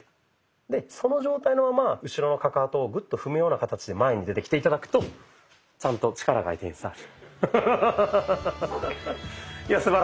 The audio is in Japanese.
でその状態のまま後ろのカカトをグッと踏むような形で前に出てきて頂くとちゃんと力が相手に伝わる。